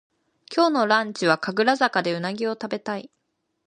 今日のランチは神楽坂でうなぎをたべたい